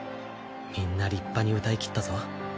みんな立派に歌い切ったぞ。